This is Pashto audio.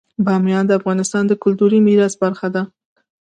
بامیان د افغانستان د کلتوري میراث برخه ده.